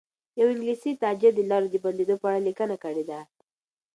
یو انګلیسي تاجر د لارو د بندېدو په اړه لیکنه کړې ده.